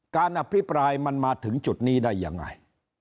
การอภิปรายมันมาถึงจุดนี้ได้ยังไง